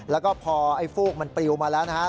แล้วก็พอฟูกมันปลิวมาแล้วนะครับ